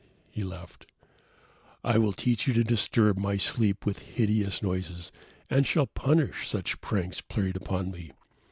he laughed. "I will teach you to disturb my sleep with hideous noises and shall punish such pranks played on me.